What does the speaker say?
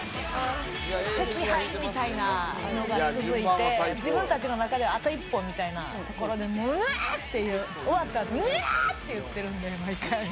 惜敗みたいなのが続いて、自分たちの中であと一歩みたいなところでもう、うわーっていう、終わったあと、うわーって言ってるんで、毎回。